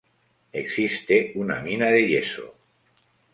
Existe una mina de yeso.